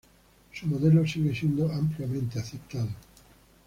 Su modelo sigue siendo ampliamente aceptado.